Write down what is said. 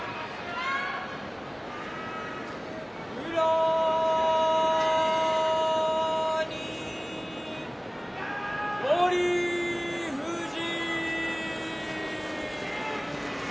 宇良に翠富士。